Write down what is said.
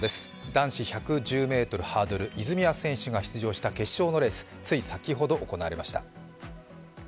男子１１０ｍハードル、泉谷選手が出場した決勝のレース、つい先ほど行われました。